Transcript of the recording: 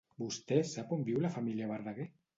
Vostè sap on viu la família Verdaguer?